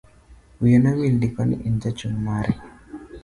Wiye nowil ndiko ni en jachung' mare.